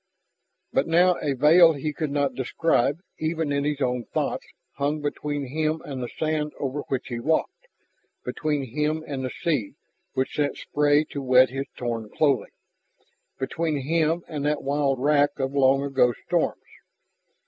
But now a veil he could not describe, even in his own thoughts, hung between him and the sand over which he walked, between him and the sea which sent spray to wet his torn clothing, between him and that wild wrack of long ago storms.